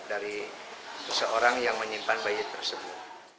dari seseorang yang menyimpan bayi tersebut